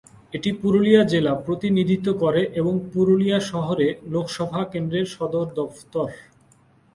এটি পুরুলিয়া জেলা প্রতিনিধিত্ব করে এবং পুরুলিয়া শহরে লোকসভা কেন্দ্রের সদর দফতর।